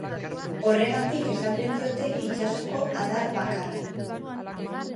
Horregatik esaten diote, itsasoko adarbakarra.